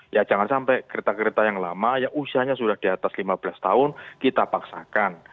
ya jangan sampai kereta kereta yang lama yang usianya sudah di atas lima belas tahun kita paksakan